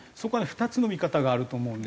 ２つの見方があると思うんですよ。